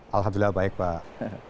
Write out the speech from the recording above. alhamdulillah baik pak